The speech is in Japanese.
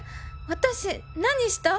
私何した？